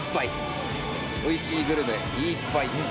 おいしいグルメいっぱい！